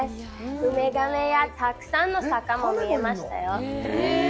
ウミガメやたくさんの魚も見えましたよ。